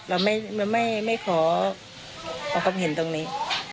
เราไม่ขอความเห็นตรงนี้